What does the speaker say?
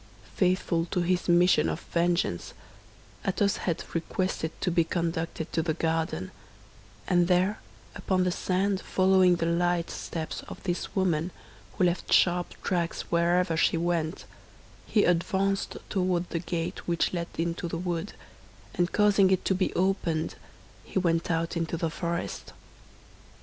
Faithful to his mission of vengeance, Athos had requested to be conducted to the garden; and there upon the sand following the light steps of this woman, who left sharp tracks wherever she went, he advanced toward the gate which led into the wood, and causing it to be opened, he went out into the forest.